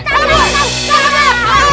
kalian ngapain sih